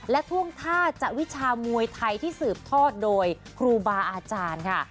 และท่วงท่าจะวิชามวยไทยที่สืบทอดโดยครูบาอาจารย์ค่ะ